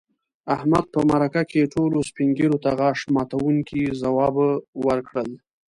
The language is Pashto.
احمد په مرکه کې ټولو سپین ږیرو ته غاښ ماتونکي ځوابوه ورکړل.